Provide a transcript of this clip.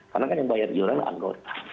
karena kan yang bayar iur an anggota